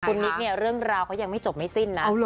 คุณนิกเนี่ยเรื่องราวเขายังไม่จบไม่สิ้นนะ